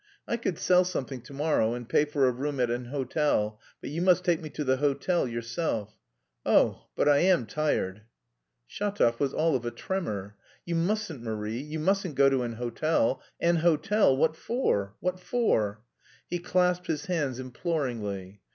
I could sell something to morrow and pay for a room at an hotel, but you must take me to the hotel yourself.... Oh, but I am tired!" Shatov was all of a tremor. "You mustn't, Marie, you mustn't go to an hotel! An hotel! What for? What for?" He clasped his hands imploringly....